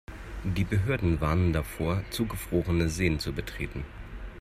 Die Behörden warnen davor, zugefrorene Seen zu betreten.